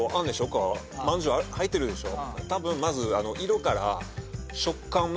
こうまんじゅう入ってるでしょ